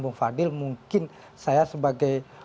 bung fadil mungkin saya sebagai